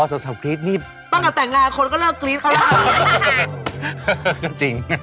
เอาสาวท์ขีดอย่างนี้